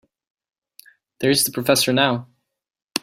There's the professor now.